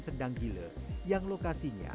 sendang gile yang lokasinya